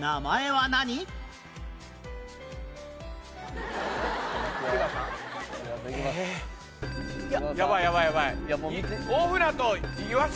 はい。